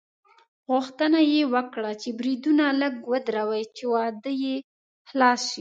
غوښتنه یې وکړه چې بریدونه لږ ودروي چې واده یې خلاص شي.